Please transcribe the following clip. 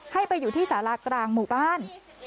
ไปอยู่ที่สารากลางหมู่บ้าน